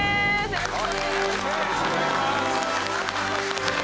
よろしくお願いします。